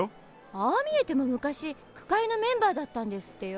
ああ見えても昔句会のメンバーだったんですってよ。